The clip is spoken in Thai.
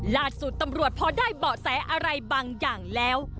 ล่าสุดตำรวจพอได้เบาะแสอะไรบางอย่างแล้ว